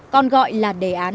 con gọi là